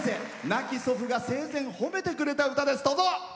亡き祖父が生前、褒めてくれた歌です。